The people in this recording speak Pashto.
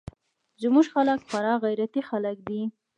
زموږ خلق خورا غيرتي خلق دي.